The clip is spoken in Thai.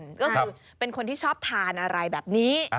ก็คือเป็นคนที่ชอบทานอะไรแบบนี้